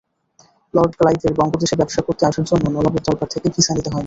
Lord ক্লাইভের বঙ্গদেশে ব্যবসা করতে আসার জন্য নবাবের দরবার থেকে ভিসা নিতে হয়নি।